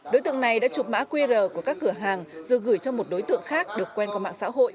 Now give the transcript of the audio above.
đối tượng này đã chụp mã qr của các cửa hàng rồi gửi cho một đối tượng khác được quen có mạng xã hội